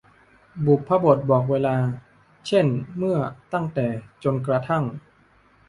บุพบทบอกเวลา เช่น เมื่อ ตั้งแต่ จนกระทั่ง